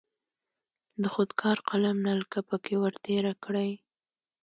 د خودکار قلم نلکه پکې ور تیره کړئ.